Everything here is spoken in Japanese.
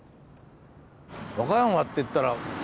和歌山っていったら魚かな？